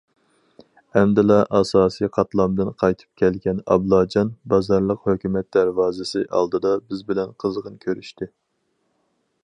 ئەمدىلا ئاساسىي قاتلامدىن قايتىپ كەلگەن ئابلاجان بازارلىق ھۆكۈمەت دەرۋازىسى ئالدىدا بىز بىلەن قىزغىن كۆرۈشتى.